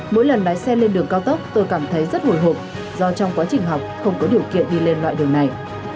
mỗi lần lái xe lên đường cao tốc tôi cảm thấy rất hồi hộp do trong quá trình học không có điều kiện đi lên loại đường này